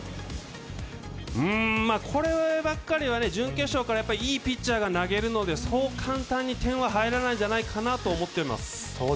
こればっかりは準決勝からいいピッチャーが投げるのでそう簡単に点は入らないんじゃないかなと思っています。